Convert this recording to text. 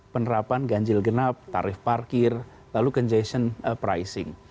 penerapan ganjil genap tarif parkir lalu conjestion pricing